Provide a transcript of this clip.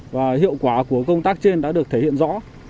và hiệu quả của công tác trên đã được thể hiện rõ